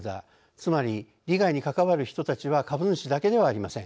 つまり利害に関わる人たちは株主だけではありません。